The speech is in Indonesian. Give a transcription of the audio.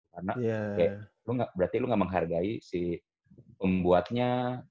karena kayak berarti lu nggak menghargai si pembuatnya